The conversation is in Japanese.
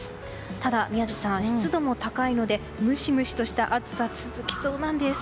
ただ宮司さん、湿度も高いのでムシムシとした暑さが続きそうなんです。